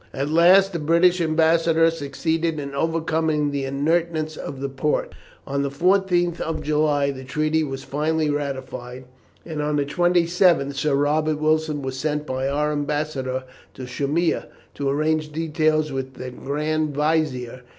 At last the British ambassador succeeded in overcoming the inertness of the Porte; on the 14th of July the treaty was finally ratified, and on the 27th Sir Robert Wilson was sent by our ambassador to Shumla to arrange details with the Grand Vizier.